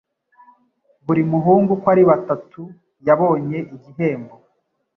Buri muhungu uko ari batatu yabonye igihembo.